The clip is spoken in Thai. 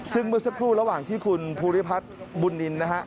ซึ่งเมื่อสักครู่ระหว่างที่คุณภูริพัฒน์บุญนินนะฮะ